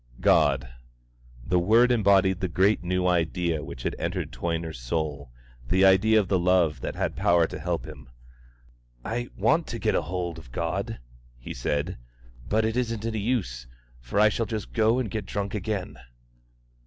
"God." The word embodied the great new idea which had entered Toyner's soul, the idea of the love that had power to help him. "I want to get hold of God," he said; "but it isn't any use, for I shall just go and get drunk again."